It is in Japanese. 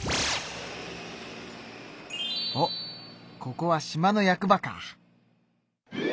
おっここは島の役場か。